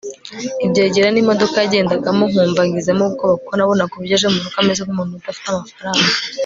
ibyegera nimodoka yagendagamo nkumva ngizemo ubwoba kuko nabonaga uburyo aje murugo ameze nkumuntu udafite amafaranga